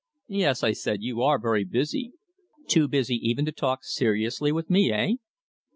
"Yes," I said. "You are very busy too busy even to talk seriously with me eh?"